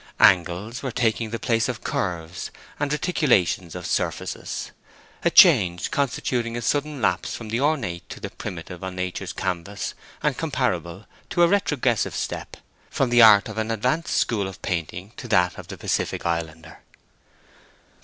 Angles were taking the place of curves, and reticulations of surfaces—a change constituting a sudden lapse from the ornate to the primitive on Nature's canvas, and comparable to a retrogressive step from the art of an advanced school of painting to that of the Pacific Islander.